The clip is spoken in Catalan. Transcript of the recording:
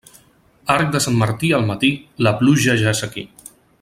Arc de Sant Martí al matí, la pluja ja és aquí.